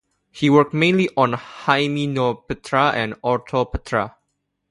He worked mainly on Hymenoptera and Orthoptera.